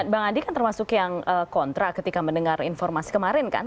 bang adi kan termasuk yang kontra ketika mendengar informasi kemarin kan